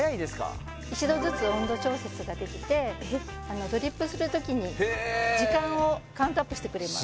・１℃ずつ温度調節ができてドリップする時に時間をカウントアップしてくれます